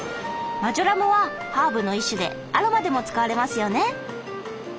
マジョラムはハーブの一種でアロマでも使われますよね。